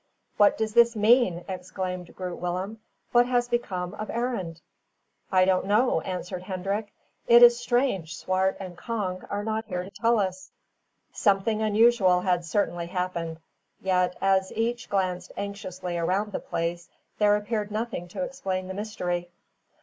"What does this mean?" exclaimed Groot Willem. "What has become of Arend?" "I don't know," answered Hendrik. "It is strange Swart and Cong are not here to tell us." Something unusual had certainly happened; yet, as each glanced anxiously around the place, there appeared nothing to explain the mystery.